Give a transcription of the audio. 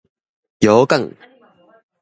羊羹